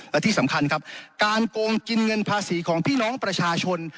และที่สำคัญครับการโกงกินเงินภาษีของพี่น้องประชาชน